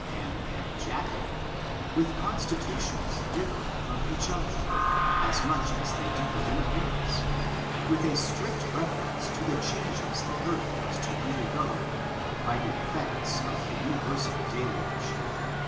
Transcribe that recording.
Ham and Japheth, with constitutions differing from each other, as much as they differed in appearance, with a strict reference to the changes the earth was to un dei^o, by the effects of the universal deluge.